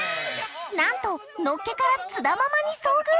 なんとのっけから津田ママに遭遇！